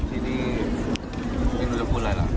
ทีนี้ไม่รู้จะพูดอะไรล่ะ